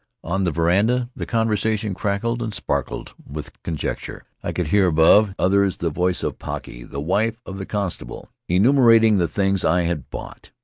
On the veranda the conversation crackled and sparkled with conjecture. I could hear above the others the voice of Paki, wife of the constable, enu merating the things I had bought.